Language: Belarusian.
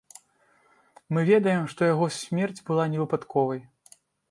Мы ведаем, што яго смерць была невыпадковай.